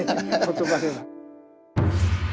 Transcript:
言葉では。